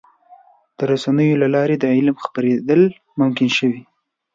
د رسنیو له لارې د علم خپرېدل ممکن شوي.